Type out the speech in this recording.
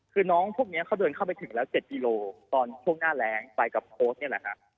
คือน้องพวกนี้เขาเดินเข้าไปถึงแล้ว๗กิโลตอนช่วงหน้าแรงไปกับโพสต์นี่แหละฮะ